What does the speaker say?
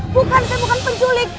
bukan saya bukan penculik